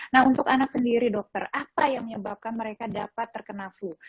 nah untuk anak sendiri dokter apa yang menyebabkan mereka dapat terkena flu